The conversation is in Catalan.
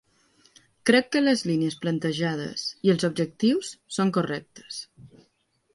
Crec que les línies plantejades i els objectius són correctes.